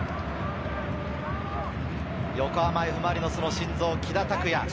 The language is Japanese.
横浜Ｆ・マリノスの心臓、喜田拓也。